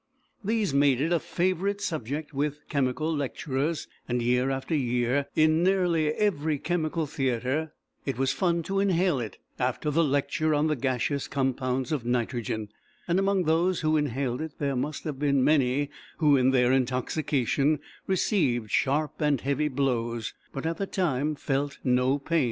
These made it a favourite subject with chemical lecturers, and year after year, in nearly every chemical theatre, it was fun to inhale it after the lecture on the gaseous compounds of nitrogen; and among those who inhaled it there must have been many who, in their intoxication, received sharp and heavy blows, but, at the time, felt no pain.